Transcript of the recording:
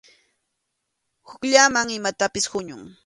Hukllaman imatapas huñuy.